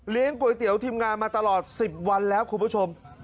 ก๋วยเตี๋ยวทีมงานมาตลอด๑๐วันแล้วคุณผู้ชม